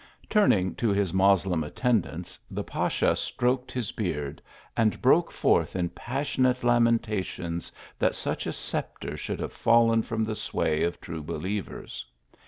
Turning to his Moslem attendants, the pasha stroked his beard, and broke forth in passionate lamentations that such a sceptre should have fallen from the sway of true believers.